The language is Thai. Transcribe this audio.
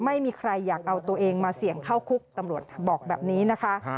ไม่มีใครอยากเอาตัวเองมาเสี่ยงเข้าคุกตำรวจบอกแบบนี้นะคะ